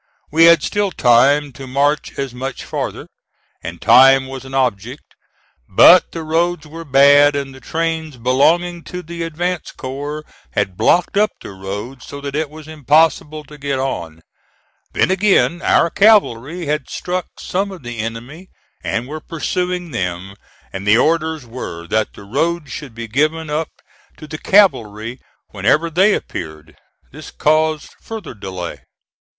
We had still time to march as much farther, and time was an object; but the roads were bad and the trains belonging to the advance corps had blocked up the road so that it was impossible to get on. Then, again, our cavalry had struck some of the enemy and were pursuing them; and the orders were that the roads should be given up to the cavalry whenever they appeared. This caused further delay.